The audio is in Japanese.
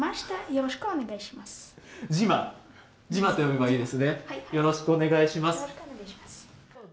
よろしくお願いします。